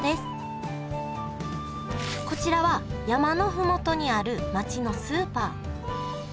こちらは山の麓にある街のスーパー。